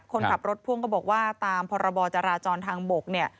คนขับรถพ่วงก็บอกว่าตามพรบจราจรทางบกเนี่ย